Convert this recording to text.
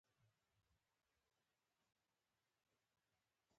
هلته څوک نه پریښودل کېدل.